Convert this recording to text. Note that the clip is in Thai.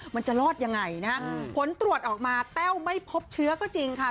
มันจะรอดยังไงนะฮะผลตรวจออกมาแต้วไม่พบเชื้อก็จริงค่ะ